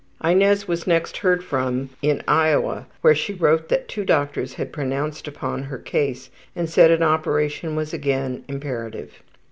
Inez was next heard from in Iowa where she wrote that two doctors had pronounced upon her case and said an operation was again imperative.